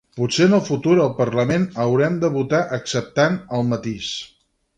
Potser en el futur al parlament haurem de votar acceptant el matís.